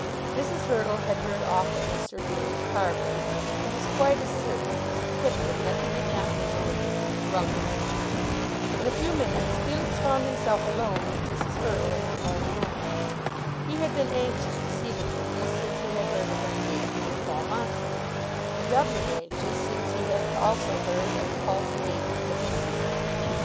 Mrs. Hurtle had heard often of Sir Felix Carbury, and was quite as certain as Mrs. Pipkin that he did not mean to marry Ruby Ruggles. In a few minutes Felix found himself alone with Mrs. Hurtle in her own room. He had been anxious to see the woman since he had heard of her engagement with Paul Montague, and doubly anxious since he had also heard of Paul's engagement with his sister.